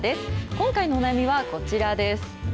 今回のお悩みはこちらです。